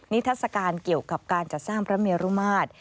ทัศกาลเกี่ยวกับการจัดสร้างพระเมรุมาตร